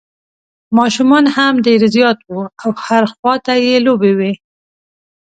ماشومان هم ډېر زیات وو او هر خوا ته یې لوبې وې.